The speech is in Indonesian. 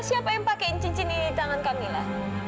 siapa yang pakai cincin ini di tangan kamila